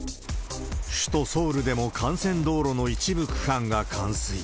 首都ソウルでも幹線道路の一部区間が冠水。